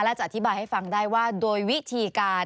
และจะอธิบายให้ฟังได้ว่าโดยวิธีการ